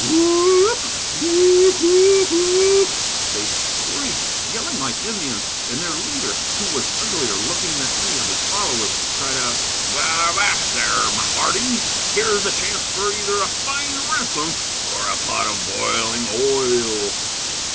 "Whoop! whoo o o!" they screeched, yelling like Indians; and their leader, who was uglier looking than any of his followers, cried out: "Avast, there, my hearties! Here's a chance for either a fine ransom or a pot of boiling oil!"